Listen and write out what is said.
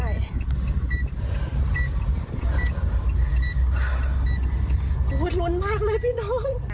ฮู้วหุ่นหลุนมากเลยพี่น้อง